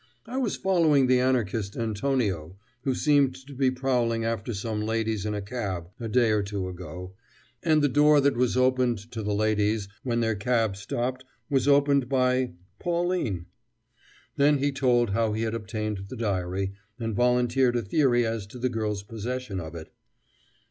I was following the Anarchist Antonio, who seemed to be prowling after some ladies in a cab a day or two ago, and the door that was opened to the ladies when their cab stopped was opened by Pauline." Then he told how he had obtained the diary, and volunteered a theory as to the girl's possession of it.